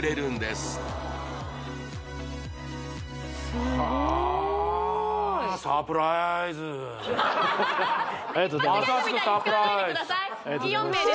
すごーいありがとうございます